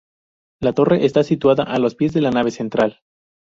La torre está situada a los pies de la nave central.